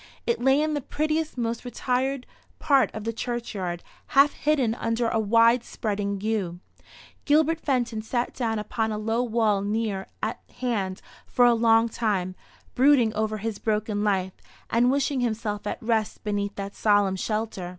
It lay in the prettiest, most retired part of the churchyard, half hidden under a wide spreading yew. Gilbert Fenton sat down upon a low wall near at hand for a long time, brooding over his broken life, and wishing himself at rest beneath that solemn shelter.